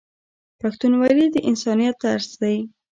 پښتونولي د انسانیت درس دی.